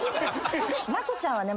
奈子ちゃんはね